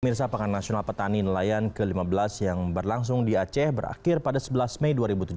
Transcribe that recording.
mirsa pangan nasional petani nelayan ke lima belas yang berlangsung di aceh berakhir pada sebelas mei dua ribu tujuh belas